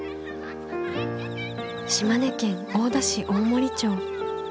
島根県大田市大森町。